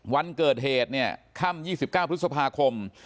วันเกิดเหตุค่ำ๒๙พฤษภาคม